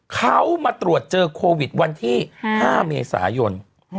เขามาตรวจเจอโควิดวันที่๕เมษายน